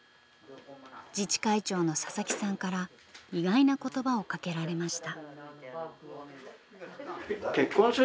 自治会長の佐々木さんから意外な言葉をかけられました。